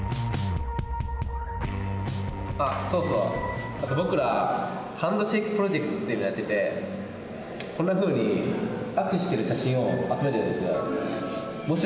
あっ、そうそう、僕ら、ハンドシェイクプロジェクトっていうのをやってて、こんなふうに、握手してる写真を集めてるんですよ。